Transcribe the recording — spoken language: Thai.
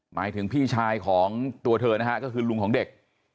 หมายถึงพี่ชายของตัวเธอนะฮะก็คือลุงของเด็ก